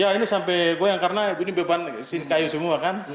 ya ini sampai goyang karena ini beban kayu semua kan